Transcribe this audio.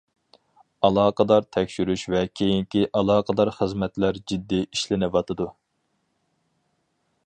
ئالاقىدار تەكشۈرۈش ۋە كېيىنكى ئالاقىدار خىزمەتلەر جىددىي ئىشلىنىۋاتىدۇ.